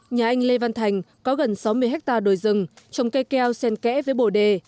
nhà anh lê văn thành có gần sáu mươi hectare đồi rừng trồng cây keo sen kẽ với bồ đề